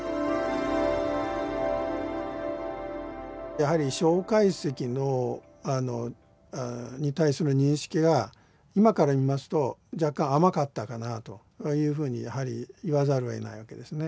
やはり蒋介石に対する認識が今から見ますと若干甘かったかなというふうにやはり言わざるをえないわけですね。